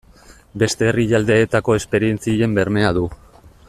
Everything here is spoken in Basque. Beste herrialdeetako esperientzien bermea du.